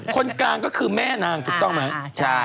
คนกลางก็คือแม่นางถูกต้องไหม